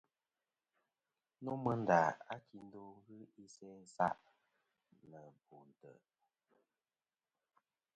Nomɨ nda a kindo ghɨ isæ isa' nɨ bo ntè'.